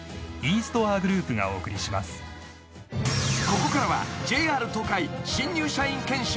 ［ここからは］